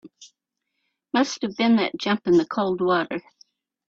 Must have been that jump in the cold water.